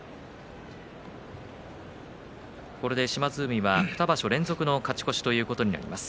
これで２場所連続の勝ち越しということになります。